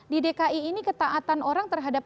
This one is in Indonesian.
di dki ini ketaatan orang terhadap